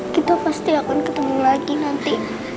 kita pasti akan ketemu lagi nanti